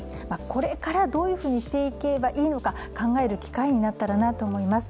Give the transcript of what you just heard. これからどういうふうにしていけばいいのか考える機会になったらなと思います。